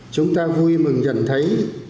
chúng ta vui mừng nhận thấy